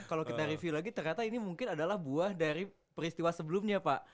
kalau kita review lagi ternyata ini mungkin adalah buah dari peristiwa sebelumnya pak